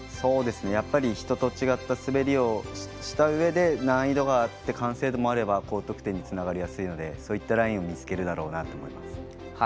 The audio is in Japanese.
人と違った滑りをしたうえ難易度があって完成度もあれば高得点につながりやすいのでそういったラインを見つけるだろうなと思います。